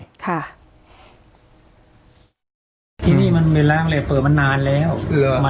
เมื่ออะไรที่นี่มันเปิ่มมานานแล้ว